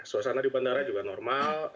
suasana di bandara juga normal